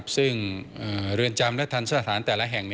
ซึ่งเรือนจำรูปธรรมและทั่นสถานแต่ละแห่ง